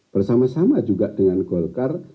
bersama sama juga dengan golkar